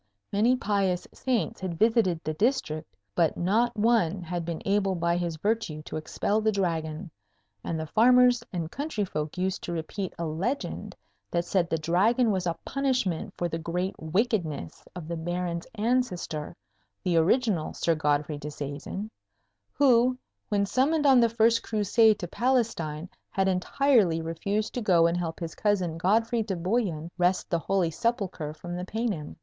Many pious saints had visited the district, but not one had been able by his virtue to expel the Dragon; and the farmers and country folk used to repeat a legend that said the Dragon was a punishment for the great wickedness of the Baron's ancestor, the original Sir Godfrey Disseisin, who, when summoned on the first Crusade to Palestine, had entirely refused to go and help his cousin Godfrey de Bouillon wrest the Holy Sepulchre from the Paynim.